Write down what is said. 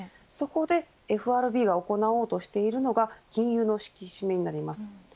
そこでＦＲＢが行おうとしているのが金融の引き締めです。